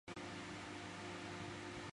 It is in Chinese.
螳䗛是螳䗛目下的肉食性昆虫。